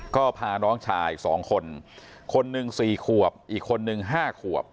ก็พาน้องชาย๒คนคนหนึ่ง๔ขวบอีกคนนึง๕ขวบ